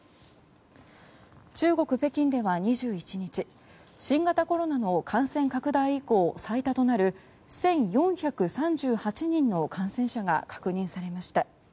中国・北京では２１日新型コロナの感染拡大以降最多となる１４３８人の感染者が確認されました。